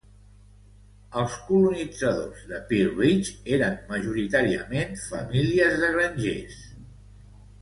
Els colonitzadors de Pea Ridge eren majoritàriament famílies de grangers.